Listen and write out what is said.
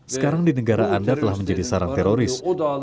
sekarang di negara anda telah menjadi sarang teroris